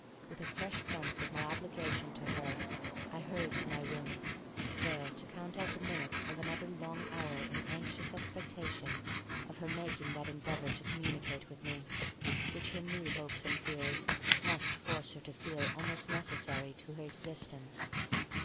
With a fresh sense of my obligation to her, I hurried to my room, there to count out the minutes of another long hour in anxious expectation of her making that endeavor to communicate with me, which her new hopes and fears must force her to feel almost necessary to her existence.